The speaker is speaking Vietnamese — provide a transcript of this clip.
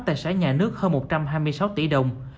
tài sản nhà nước hơn một trăm hai mươi sáu tỷ đồng